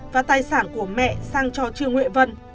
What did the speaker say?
và tài sản của mẹ sang cho trương huệ vân